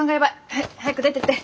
はい早く出てって。